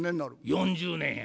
４０年や。